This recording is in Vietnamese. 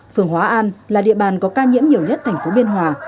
phường hóa an là địa bàn có ca nhiễm nhiều nhất thành phố biên hòa